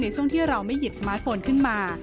ช่วงที่เราไม่หยิบสมาร์ทโฟนขึ้นมา